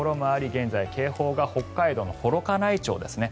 現在、警報が北海道の幌加内町ですね